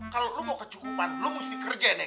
kalau lo mau kecukupan lo mesti kerja nih